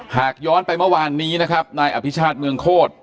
หากย้อนไปเมื่อวานนี้นะครับนายอภิชาติเมืองโคตร